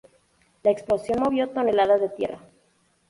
La explosión movió toneladas de tierra.